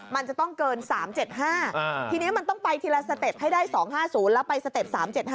มันจะต้องเกิน๓๗๕ทีนี้มันต้องไปทีละสเต็ปให้ได้๒๕๐แล้วไปสเต็ป๓๗๕